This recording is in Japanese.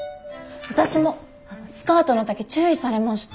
私もスカートの丈注意されました。